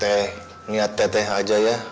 tee ngiat tete aja ya